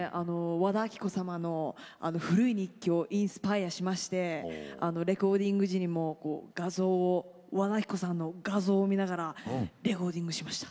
和田アキ子様の「古い日記」をインスパイアーしましてレコーディング時にも和田アキ子さんの画像を見ながらレコーディングしました。